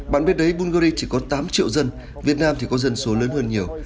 bạn biết đấy bungary chỉ có tám triệu dân việt nam thì có dân số lớn hơn nhiều